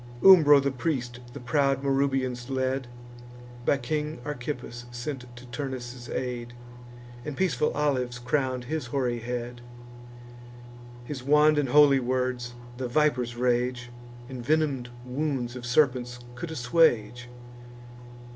Umbro the priest the proud Marrubians led, By King Archippus sent to Turnus' aid, And peaceful olives crown'd his hoary head. His wand and holy words, the viper's rage, And venom'd wounds of serpents could assuage.